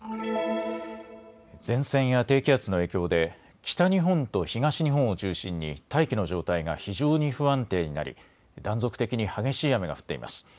前線や低気圧の影響で北日本と東日本を中心に大気の状態が非常に不安定になり断続的に激しい雨が降っています。